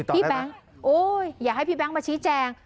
พี่แบงค์อย่าให้พี่แบงค์มาชี้แจง